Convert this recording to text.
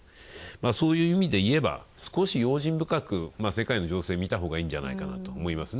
そういう意味でいえば少し用心深く世界の情勢を見たほうがいいんじゃないかと思いますね。